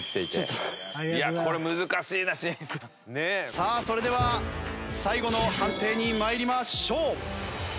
さあそれでは最後の判定に参りましょう。